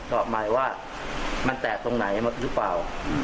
ก็หมายว่ามันแตกตรงไหนหรือเปล่า